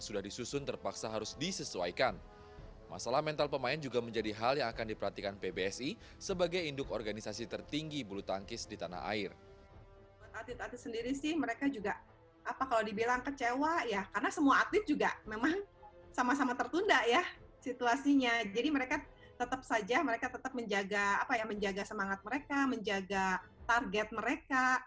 jadi mereka tetap saja mereka tetap menjaga semangat mereka menjaga target mereka